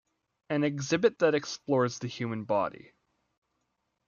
An exhibit that explores the human body.